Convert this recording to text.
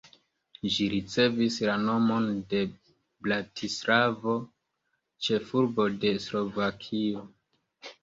Ĝi ricevis la nomon de Bratislavo, ĉefurbo de Slovakio.